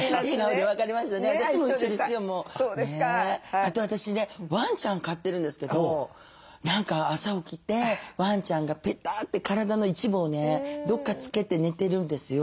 あと私ねワンちゃん飼ってるんですけど何か朝起きてワンちゃんがペターッて体の一部をねどっか付けて寝てるんですよ。